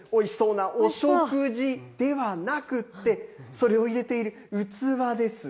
旅館で提供しているおいしそうなお食事ではなくてそれを入れている器です。